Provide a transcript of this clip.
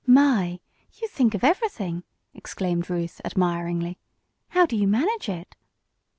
"My! You think of everything!" exclaimed Ruth, admiringly. "How do you manage it?"